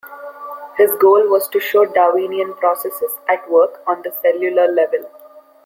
His goal was to show Darwinian processes at work on the cellular level.